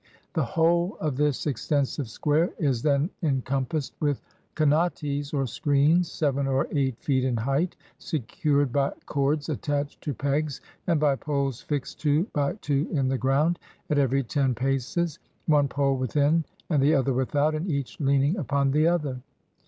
The whole of this extensive square is then encompassed with kanates, or screens, seven or eight feet in height, secured by cords attached to pegs, and by poles fixed two by two in the ground, at every ten paces, one pole within and the other without, and each leaning upon the other.